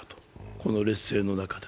この劣勢の中で。